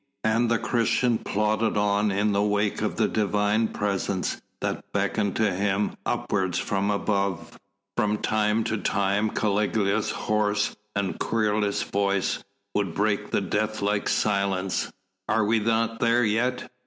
and the Christian plodded on in the wake of the Divine Presence that beckoned to him upwards from above. From time to time Caligula's hoarse and querulous voice would break the death like silence. "Are we not there yet?"